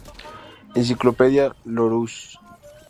Enciclopedia Larousse.